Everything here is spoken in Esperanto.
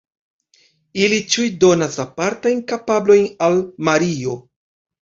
Ili ĉiuj donas apartajn kapablojn al Mario.